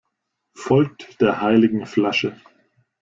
Folgt der heiligen Flasche!